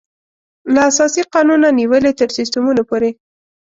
له اساسي قانون نېولې تر سیسټمونو پورې.